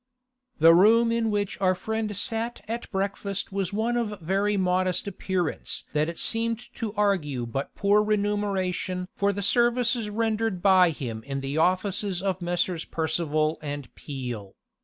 The room in which our friend sat at breakfast was of such very modest appearance that it seemed to argue but poor remuneration for the services rendered by him in the office of Messrs. Percival & Peel.